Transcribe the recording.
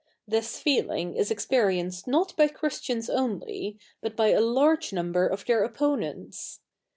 This feeli7ig is experienced not by Ch7 istians only, but by a large number of their oppo7ie7its.